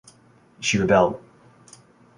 She rebelled.